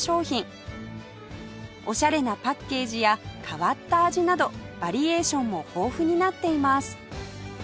オシャレなパッケージや変わった味などバリエーションも豊富になっています